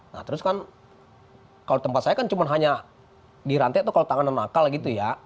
nah terus kan kalau tempat saya kan cuma hanya dirantai atau kalau tangannya nakal gitu ya